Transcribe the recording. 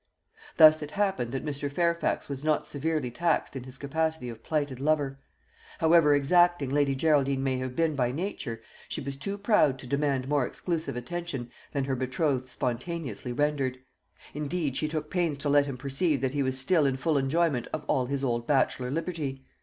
Thus it happened that Mr. Fairfax was not severely taxed in his capacity of plighted lover. However exacting Lady Geraldine may have been by nature, she was too proud to demand more exclusive attention than her betrothed spontaneously rendered; indeed, she took pains to let him perceive that he was still in full enjoyment of all his old bachelor liberty.